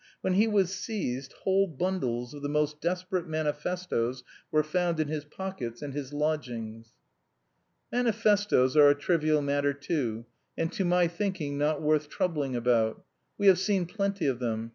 When he was seized, whole bundles of the most desperate manifestoes were found in his pockets and his lodgings. Manifestoes are a trivial matter too, and to my thinking not worth troubling about. We have seen plenty of them.